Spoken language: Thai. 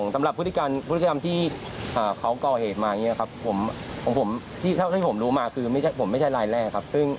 แต่เรากังวลใช่ครับ